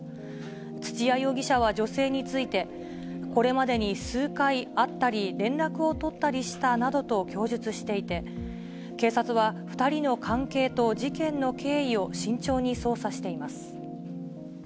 土屋容疑者は女性について、これまでに数回会ったり連絡を取ったりしたなどと供述していて、警察は２人の関係と事件の経緯を慎重に捜査しています。